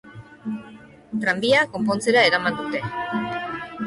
Tranbia konpontzera eraman dute.